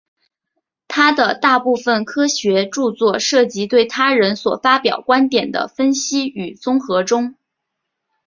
他的大部分科学着作涉及对他人所发表观点的分析与综合中。